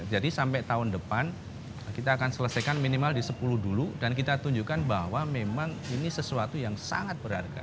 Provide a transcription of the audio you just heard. jadi sampai tahun depan kita akan selesaikan minimal di sepuluh dulu dan kita tunjukkan bahwa memang ini sesuatu yang sangat berharga